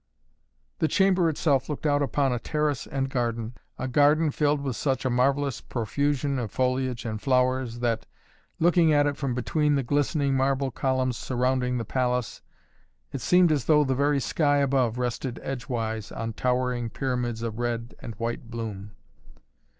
The chamber itself looked out upon a terrace and garden, a garden filled with such a marvellous profusion of foliage and flowers, that, looking at it from between the glistening marble columns surrounding the palace, it seemed as though the very sky above rested edgewise on towering pyramids of red and white bloom.